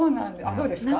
どうですか？